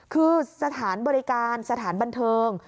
คือสถานบริการสถานบันเทิง